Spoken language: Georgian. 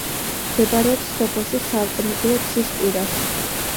მდებარეობს სოფელში, საავტომობილო გზის პირას.